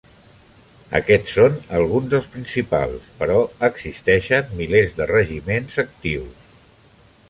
Aquests són alguns dels principals, però existeixen milers de regiments actius.